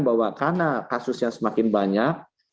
bahwa karena kasusnya semakin banyak